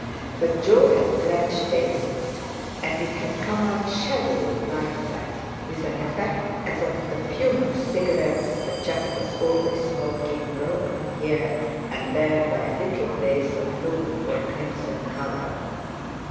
But Jo had French tastes, and it had come out shadowy like that, with an effect as of the fume of cigarettes the chap was always smoking, broken here and there by a little blaze of blue or crimson colour.